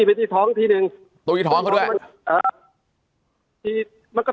วันนั้นคุณลัมโบ